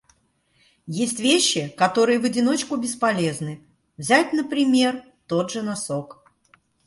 Есть вещи, которые в одиночку бесполезны. Взять, например, тот же носок.